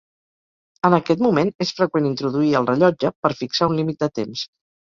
En aquest moment, és freqüent introduir el rellotge, per fixar un límit de temps.